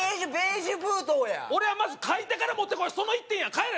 俺はまず、書いてから持ってこい、その１点や。